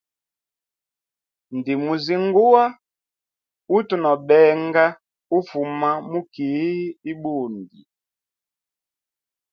Ndimuzinguwa utu no benga ufuma mu kii ibundi.